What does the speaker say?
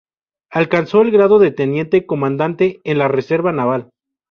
Alcanzó el grado de Teniente comandante en la reserva naval.